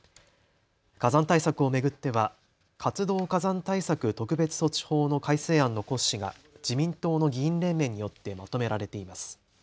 火山対策を巡っては活動火山対策特別措置法の改正案の骨子が自民党の議員連盟によってまとめられています。